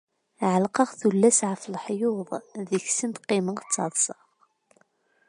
Ɛelqeɣ tullas ɣef leḥyuḍ, deg-sent qqimeɣ ttaḍseɣ.